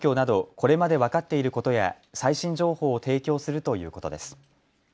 これまで分かっていることや最新情報を提供するということです。